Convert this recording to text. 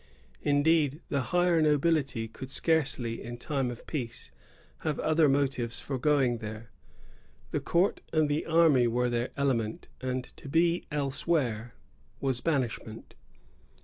Indeed, the higher nobility could scarcely, in time of peace, have other motives for going there ; the court and the army were their element, and to be else where was banishment.